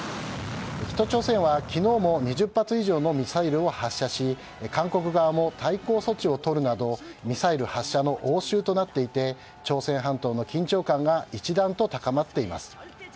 北朝鮮は昨日も２０発以上のミサイルを発射し韓国側も対抗措置をとるなどミサイル発射の応酬となっていて朝鮮半島の緊張感が一段と高まっています。